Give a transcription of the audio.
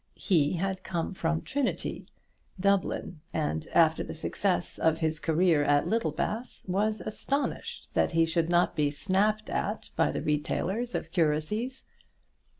He had come from Trinity, Dublin and after the success of his career at Littlebath, was astonished that he should not be snapped at by the retailers of curacies.